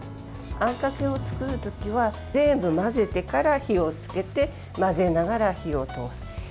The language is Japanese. あんかけを作るときは全部混ぜてから火をつけて混ぜながら火を通す。